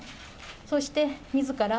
そしてみずから